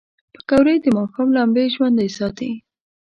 پکورې د ماښام لمبې ژوندۍ ساتي